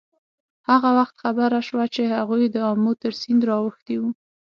هغه وخت خبر شو چې هغوی د آمو تر سیند را اوښتي وو.